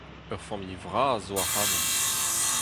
Ur familh vras zo ac'hanomp.